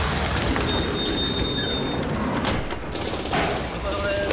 お疲れさまです。